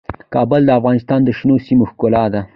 کابل د افغانستان د شنو سیمو ښکلا ده.